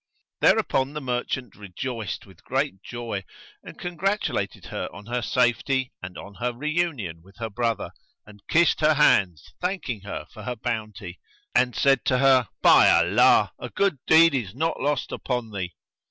Thereupon the merchant rejoiced with great joy, and congratulated her on her safety and on her re union with her brother, and kissed her hands thanking her for her bounty, and said to her, "By Allah! a good deed is not lost upon thee!"